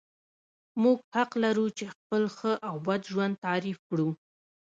موږ حق لرو چې خپل ښه او بد ژوند تعریف کړو.